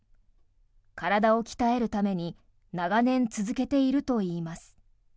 体を鍛えるために長年、続けているといいます。